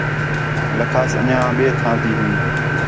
لَکھاس ہُݨ آں ٻئے تھاں تی ہیں